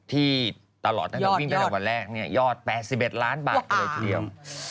ที่ตลอดตั้งแต่วิ่งตั้งแต่วันแรกยอด๘๑ล้านบาทกันเลยทีเดียว